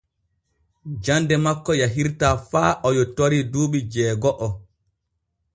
Jande makko yahirtaa faa o yottori duuɓi jeego’o.